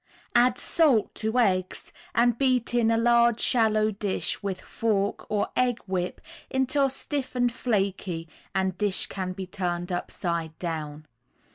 Add salt to eggs and beat in a large shallow dish with fork or egg whip until stiff and flaky and dish can be turned upside down.